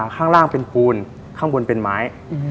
ข้างล่างเป็นปูนข้างบนเป็นไม้